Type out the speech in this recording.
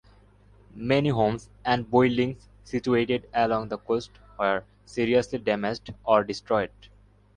Many homes and buildings situated along the coast were seriously damaged or destroyed.